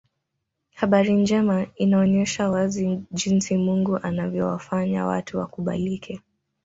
Habari njema inaonyesha wazi jinsi Mungu anavyowafanya watu wakubalike